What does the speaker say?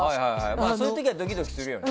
そういう時はドキドキするよね。